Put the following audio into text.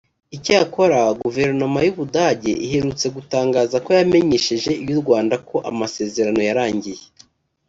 Icyakora guverinoma y’u Budage iherutse gutangaza ko yamenyesheje iy’u Rwanda ko amasezerano yarangiye